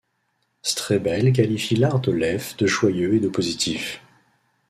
Strebelle qualifie l'art d'Oleffe de joyeux et de positif.